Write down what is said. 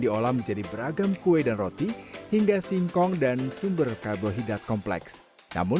diolah menjadi beragam kue dan roti hingga singkong dan sumber karbohidrat kompleks namun